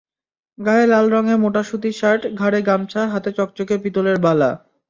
গায়ে লাল রঙের মোটা সুতি শার্ট, ঘাড়ে গামছা, হাতে চকচকে পিতলের বালা।